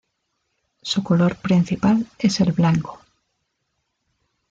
Su color principal es el blanco.